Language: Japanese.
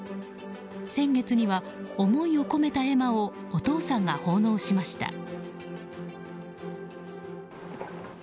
先月には思いを込めた絵馬をお父さんが奉納しました。